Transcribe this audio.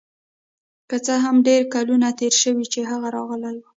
که څه هم ډیر کلونه تیر شوي چې هغه راغلی و